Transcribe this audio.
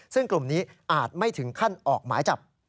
ซึ่งกลุ่มนี้อาจไม่ถึงขั้นออกหมายจับ